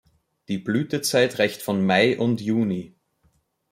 Die Blütezeit reicht von Mai und Juni.